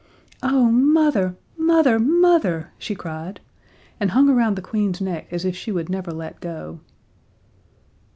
"Oh, Mother, Mother, Mother," she cried, and hung around the Queen's neck as if she would never let go.